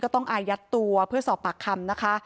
ต้องอายัดตัวเพื่อสอบปากคำนะคะ